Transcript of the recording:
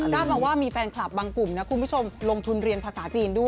ได้มาว่ามีแฟนคลับบางกลุ่มนะคุณผู้ชมลงทุนเรียนภาษาจีนด้วย